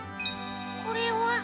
これは。